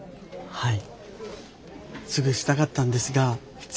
はい。